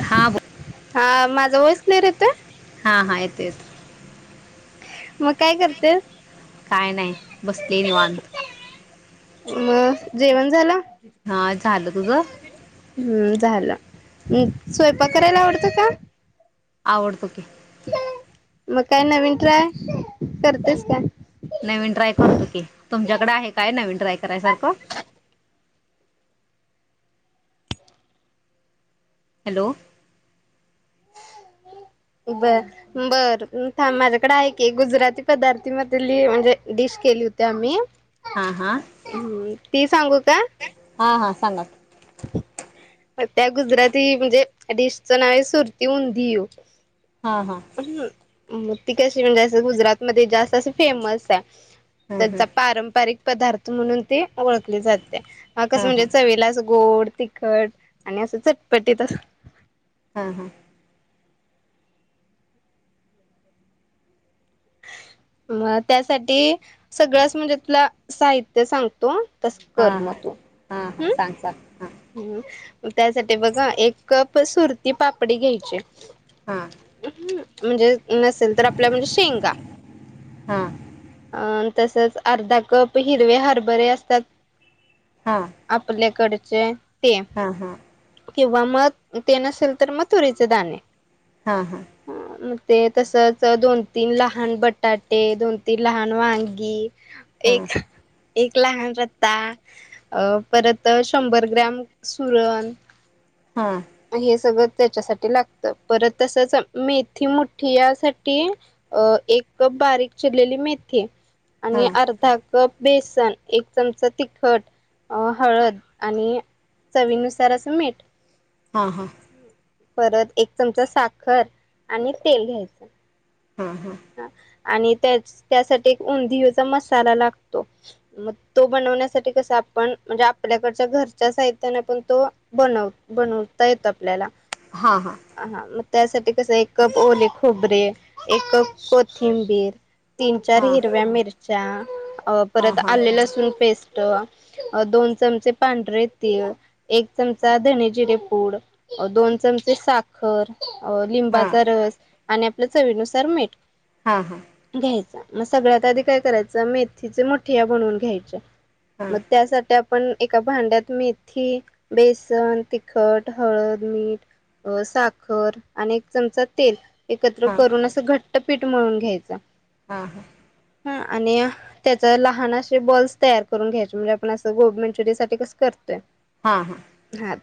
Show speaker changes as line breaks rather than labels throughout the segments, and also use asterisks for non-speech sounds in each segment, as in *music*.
हा बोल
हा मा व्हॉईस नाही येत?
हा हा येतो येतो.
मग काय करतेस?
काय नाही बसली निवांत.
म जेवण झालं?
हा झालं. तुझं?
म् स्वयंपाक करायला आवडतो का?
आवडतो की.
मग काय नवीन ट्राय करतेस काय?
नवीन ट्राय करतो की तुमच्याकडे आहे काय नवीन ट्राय करायसारखं हॅलो.
बर बर थांब माझ्याकडे आहे की गुजराती पदार्थी मधली म्हणजे डिश केली होती आम्ही.
हा हा.
हम्म ती सांगू क का?
हां हां सांगा.
त्या गुजराती म्हणजे डिश च नाव आहे सुरती उंदियू.
हा हा.
म ती कशी म्हणजे असं गुजरात मध्ये जास्त अस फेमस हाय.
हां हां
त्यांचा पारंपारिक पदार्थ म्हणून ती ओळखली जातिया कसं
हां
म्हणजे चवीला असं गोड, तीखट आणि असं चटपटीत असं
हा हा.
मग त्यासाठी सगळंच म्हणजे तुला साहित्य सांगतो, तस
हां
कर
हां हां
म तू
हां हां सांग सांग हां
हम्. त्यासाठी बघा एक कप सुरती पापडी घ्यायची,
हा.
म्हणजे नसेल तर आपल्या म्हणजे शेंगा.
हा.
अं तसच अर्धा कप हिरवे हरभरे असतात. आपल्याकडे चे
हा हा.
किंवा मग ते नसेल तर मग तुरीचे दाणे
हा हा.
मग ते तसच दोन तीन ला हान बटाटे, दोन तीन लहान वांगी
हां
एक एक लहान रत्ता, अ परत शंभर ग्रॅम सुरण
हां हां हां
हे संगळच. त्याच्यासाठी लागत परत तसच अ मेथी मोठी यासाठी अ एक कप बारीक चिरलेली मेथी
हां हां हां
आणि अर्धा कप बेसन एक चमचा तिखट अ हळद आणि चवीनुसार असं मीठ.
हां हां हां
हम *inaudible* परत एक चमचा साखर आणि तेल घ्यायचं.
हा हा.
आणि त्याच त्यासाठी एक उंदियोचा मसाला लागतो मग तो बनवण्यासाठी कसा आपण म्हणजे आपल्याकडच्या घरच्या साहित्याने पण तो बनव बनवता येतं. आपल्याला
हां हां हां हां हां हां
आ हा म त्यासाठी कसं एक कप ओले खोबरे, एक कप कोथिंबीर तीन-चार
हां
हिरव्या मिरच्या परत आलं लसूण पेस्ट टआ, आ दोन चमचे पांढरे तीळ, एक चमचा धने जिरे पूड, दोन चमचे साखर अ लिंबाचा रस आणि आपल्या चवीनुसार मीठ घ्यायचा मग सगळ्यात आधी काय करायचं मेथीचे मुठिया बनवून घ्यायच्या. मग त्यासाठ्या आ पण एका भांड्यात मेथी, बेसन, तिखट, हळद, मीठ अ साखर आणि एक चमचा तेल एकत्र करून असं घट् पीठ मळून घ्यायचा.
हा हा.
हा आणि त्याचा लहान अशे बॉल्स तयार करून घ्यायचे म्हणजे आपण असं गोभी मांचुरियासाठी कसं करतोय
हा हा.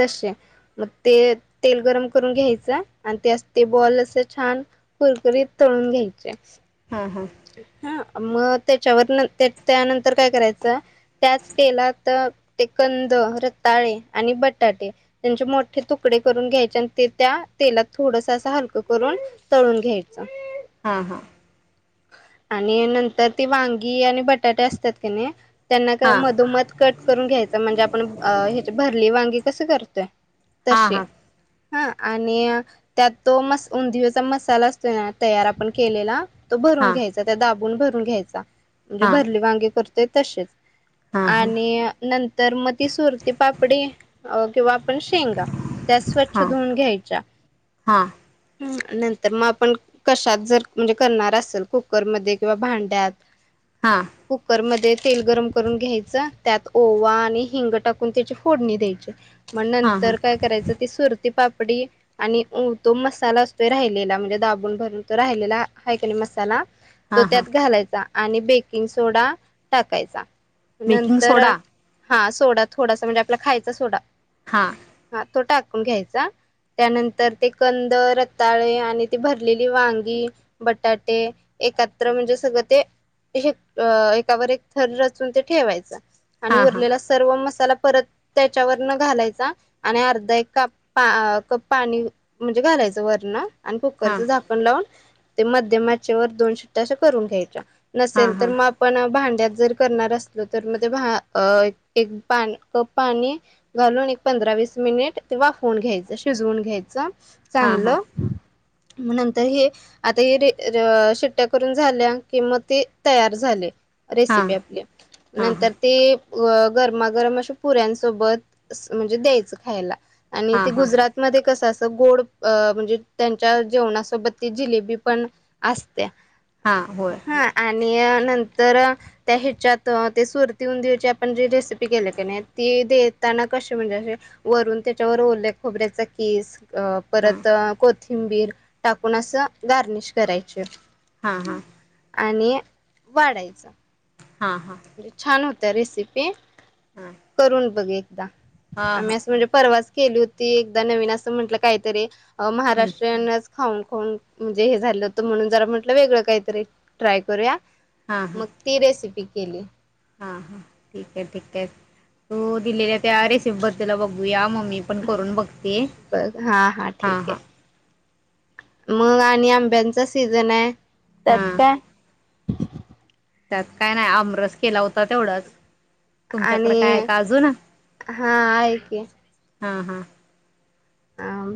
तशे मग ते तेल गरम करून घ्यायचं आणि ते असं ते बॉल असं छान कुरकुरीत तळून घ्यायचे.
हां हां
हा. मग त्याच्यावर त्यानंतर काय करायचं त्याच तेलात ते कंद, रताळे आणि बटाटे त्यांचे मोठे तुकडे करून घ्यायचे आणि ते त्या तेलात थोडस असं हलकं करून तळून घ्यायचं.
हा हा.
आणि नंतर ते वांगी आणि बटाटे असतात का नाही त्यांना का
हा
मधोमध कट करून घ्यायचं म्हणजे आपण आ भरली वांगी कसं करतय तशे
हा
हा आणि त्यात तो मस, उंदियोचा मसाला असतोय ना तयार आपण केलेला तो भरून
हा
घ्यायचा त्या दाबून भरून घ्यायचा.
हा
म्हणजे
हा
भरले वांगे करतेत तशेच
हा हा
आणि नंतर मग ती सुरती पापडी अ तेव्हा पण शेंगा त्या स्वच्छ
हा हा
धुूवून घ्याच्या.
हा
नंतर मग आपण कशात जर म्हणजे करणार असं सल कुकरमध्ये किंवा भांड्यात
हा
कुकरमध्ये तेल गरम करून घ्यायचं त्यात ओवा आणि हिंग टाकून त्याची फोडणी द्यायची. म
हा
नंतर काय करायचं ती सुरती पाप डी आणि उ तो मसाला असतोय राहिलेला म्हणजे दाबून भरून तो राहिलेला हयकनाय मस त्याला तो
हा हा
त्यात घालायचा आणि बेकिंग सोडा टाकायचा.
बेकिंग
नंतर
सोडा
हा सोडा थोडासा म्हणजे आपला खायचा सोडा
हा
हा तो टाकून घ्यायचा त्यानंतर ते कंद, रताळे आणि ती भरलेली वांगी, बटाट ते एकात्र म्हणजे सगळं ते हेक एकावर एक थर रचून ते ठेवायचा. आणि
हा हा
उरलेला सर्व मसाला परत त्याच्या वरन घालायचा आणि अर्धा एक काप पा कप पाणी म्हणजे घालायचं वरण आणि
हा हा
कुकरचं झाकण लावून ते मध्यम च्या वर दोन शिट्ट्या असं करून घ्यायच्या
हा
नसेल तर
हा
म आपण भांड्यात जर करणार असलो तर म ते भा एक पान कप पाणी घालून एक पंधरा वीस मिनिट ते वाफवून घ्यायचं. शिजवून घ्यायचं.
हा हा
चांगलं म नंतर हे आता हे डे रर शिट्ट्या करून झाल्या की म ते तयार झाले.
हा
रेसिपी आपली
हा
नंतर ते अ गरमागरम अशे पुऱ्यांसोबत म्हणजे द्यायचं खायला. आणि
हा
ते
हा
गुजरातमध्ये कसं अस गोड म्हणजे त्यांच्या जेवणासोबत ती जिलेबी पण अस् त्या
हा होय
हा आण आणि नंतर त्या ह्याच्यात ते सुरती उंदीऊ ची आपण जी रेसिपी केले की नाय ती देताना कसे म्हणजे असे वरून त्याच्यावर ओल्या खोबऱ्याचा कीस अ
हा
परत कोत थिंबीर टाकून असं गार्निश करायचे.
हा हा
आणि वाढायचा.
हा हा
जे छान हो रेसिपी
हा हा हा
करून बघ एक दहा
हां
आम्ही असं म्हणजे परवाच केली होती एकदा नवीन असं म्हंटलं कायतरी अ् महाराष्ट्रीयनच खाऊन खाऊन म्हणजे हे झालं होतं म्हणून जरा म्हटलं वेगळं काहीतरी ट्राय करूया. मक ती रेसिपी केले.
हा, हा ठीकय, ठीकय तू दिलेल्या ते अरे सिब्बतीला बघूया मम्मी पण करून बघतीय
बघ
हा,
ठीक
हा.
आहे मग आणि आंब्यांचा सीझनय. त्यात
हा
काय?
त्यात काय नाय आमरस केला होता तेवढाच. तुमच्याकडे काय आहे
आणि
का अजून
हा आहेकी.
हा, हा.
आम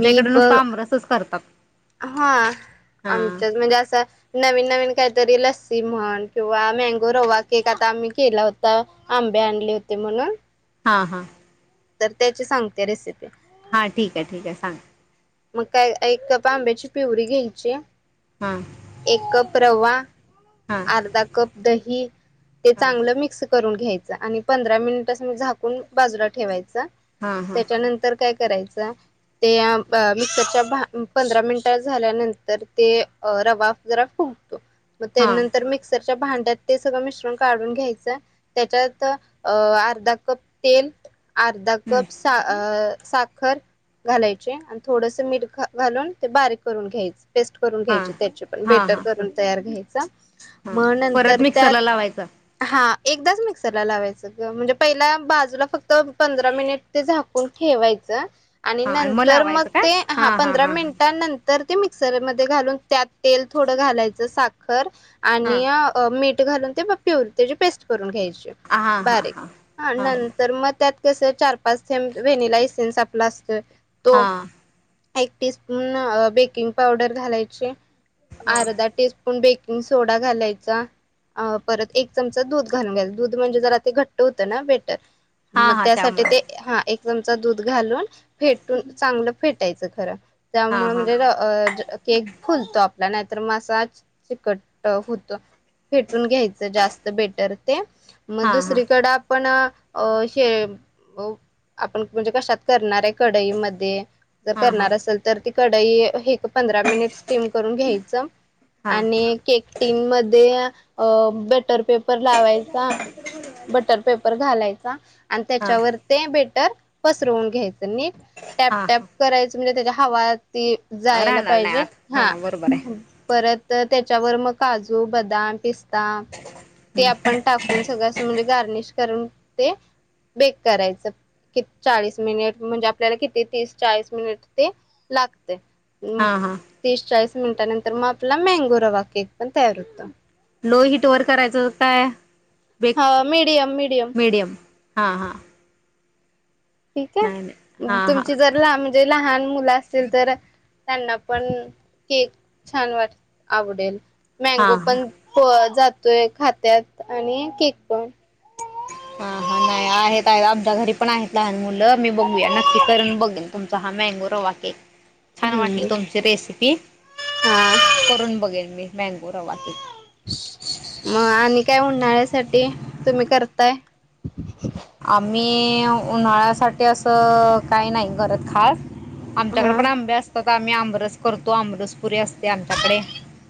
मी प
आमरसच करतात
हा
हां
आमच्यात म्हणजे असं नवीन, नवीन कायतरी लस्सी म्हण किंवा मँगो रवा केक आता आम्ही केला होता आंबे आणले होते म्हणून.
हा, हा
तर त्याची सांगते रेसिपी.
हा ठीकय, ठीकय सांग.
मग काय एक कप आंब्याची पिवरी घ्यायची.
हां
एक कप रवा
हां
अर्धा कप दही ते
हां
चांगलं मिक्स करून घ्यायच आणि पंधरा मिनिटस म झाकून बाजूला ठेवायच.
हां हां
त्याच्यानंतर काय करायचा ते अ मिक्सरच्या पंधरा मिनिट झाल्यानंतर ते रवा जरा फुगतो. मग ते
हां
नंतर मिक्सर च्या भांड्यात ते सगळं मिश्रण काढून घ्यायचं त्याच्यात अर्धा कप तेल अर्धा कप सा अ साखर घालायची आण थोडस मीठ घालून ते बारीक करून घ्यायच. टेस्ट करून
हां
घ्यायची त्याची पण
हां
बेटर
हां
करून तयार घ्याय सा
हां
मग
परत
नंतर त्यात
मिक्सरला लावायचं
हा. एकदाच मिक्सर ला लावायचं ग म्हणजे, पहिला बाजूला फक्त पंधरा मिनिट ते झाकून ठेवायचं. आणि
हां
नंतर मग
लावायचं काय
ते हा,
हां हां
पंधरा
हां
मिनिटां नंत तर ते मिक्सरमध्ये घालून त्यात तेल थोडं घालायचं साखर
हां
आणि अ मी घालून ते प्यूरी त्याजी पेस्ट करून घ्यायचे.
हां हां
बारीक
हां हां
नंतर मग त्यात तस चार पाच थेंम व्हेनीलायसेन्स आपलं असतं.
हा.
एक टीस्पून बेकिंग पावडर घालायचे.
हां
अर्ध टी स्पून बेक सोडा घालायचा परत एक चमचा दूध घालून घ्यायचा दूध म्हणजे, जरा ते घट्ट होतं ना बेट
हां
मग
हां
त्यासाठी
त्यामुळं
ते हा एक चमचा दूध घालून फेटून चांगलं फेटायचं खर.
हां
त्यामुळे
हां
म्हणजे केक फुलतो, आपल्या नाही तर म साज चिकट होत फेटून घ्यायचं जास्त बेटर ते. मग
हां हां
दुसरीकड आपण अ *unintelligible* आपण म्हणजे, कशात करणार आहे. कढाईमध्ये. जर
हां हां
करणार असेल तर ती कढई पंधरा मिनिट स्टीम करून घ्यायचं
हां
आणि केक टीन मध्ये अ बेट बटर पेपर लावायचा, बटर पेपर घालायचा आणि
हां
त्याच्यावर ते बेटर पसरवून घ्यायच. *unintelligible* टॅप
हां
टॅप
हां
म्हजे त्याच्या हवा ती जायला
राहणार नाही
पाहिजे
आत हां
हा,
बरोबर आहे
परत त्याच्यावर मग काजू, बदाम, पिस्ता *unintelligible* ते आपण टाकून सगळं अस म्हणजे, गार्निश करून ते बेक कराय चाळीस मिनट म्हणजे, आपल्याला किती तीस चाळीस मिनिट ते लागते. हम्म
हां हां
तीस चाळीस मिनटानंतर मग आपला मँगो रवा केक पण तयार होतो.
हो हिट वर करायचं *unintelligible* काय बेक
हा मीडियम मीडियम.
हां हां.
ठीक
नाही नाही
हे
हां हां
तुमची जर लाम जे लहान मुलं असतील तर त्यांना पण केक छान वाट आवडेल. मॅगो
हां हां
पण प जात ते खात्यात आणि केक पण
हा हा नाही आहेत आहेत आमच्या घरी पण आहेत लहान मुलं *unintelligible* मी बघूया नक्की करून बघेल तुम त हा मॅंगो रवा केक छान वाटली
हम्म
तुमची रेसिपी
हा.
आ करून बघेन मी मँगो रवा केक.
म आणि काय उन्हाळ्यासाठी तुम्ही करताय
आम्ही उन्हाळ्यासाठी असं काही नाही करत खास आमच्याकडे
हा
पण आंबे असतात. आम्ही आमरस करतो आमरस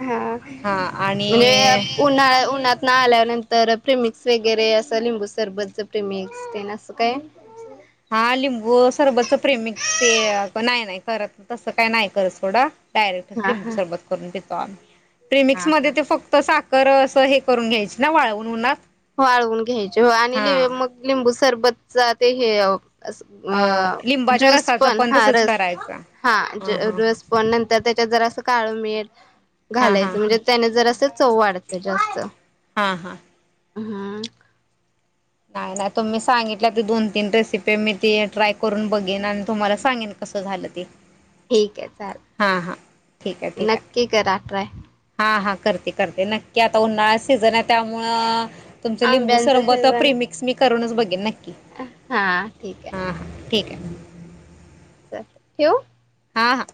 हा
हां
म्हणजे
आणि
उन्हाळ्या उन्हात न आल्यानंतर. फ्री मिक्स वगैरे असा लिंबू सरबतच ते मिक्स ते आसं काय
हा लिंबू सरबच प्रेमिक्स ते प नाही नाही करत तसं काय नाही कर सोडा. डायरेट
हा
लिंबू
हा
सरबत करून देत. तहान *unintelligible* प्रेमिक्स
हा
मध्ये
हा
ते फक्त साख करं असं हे करून घ्यायच ना वाळवून उनात.
वाळवून घ्यायचे हो आणि लीव मग लिंबू सरबत ज ते हे आहो. अस म अ
लिंबाच्या
ज्यूस
रसाचा
पण हा
तसच
रस
करायचा
हा ज रस पण नंतर त्याच्यात जरा सं काळं मिठ
हा हा
घालायचं म्हणजे त्याने जर असं चव वाढते जास्त.
हा हा
हा.
नाइ नाइ तुीम्ही सांगितलं ती दोन तीन रेसिपी मी ती ट्राय करून बघेन आणि तुम्हाला सांगेन कसं झालं ते.
ठीक आहे
हां हां ठीक आहे
चालेल.
ठीक आहे
नक्की करा ट्राय,
हा हा करते करते नक्की आता उन्हाळा सीझन हाय त्यामुळं तुमचं लिंबू
आंब्यांचा
सरंबत त
सीझन
प्रिमिक्स मी करूनच बघ सांगितलं नाही.
हा ठीक हाय.
ठीक हाय.
ठेऊ.
हा हां.